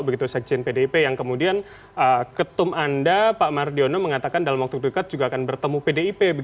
begitu sekjen pdip yang kemudian ketum anda pak mardiono mengatakan dalam waktu dekat juga akan bertemu pdip